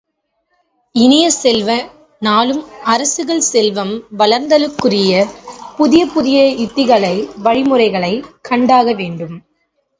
இனிய செல்வ, நாளும் அரசுகள் செல்வம் வளர்தலுக்குரிய புதிய புதிய யுத்திகளை, வழிமுறைகளைக் கண்டாக வேண்டும்.